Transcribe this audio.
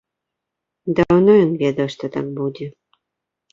Даўно ён ведаў, што так будзе.